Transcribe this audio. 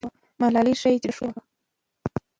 ملالۍ ښایي چې ډېره ښکلې وه.